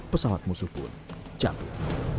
pesawat musuh pun campur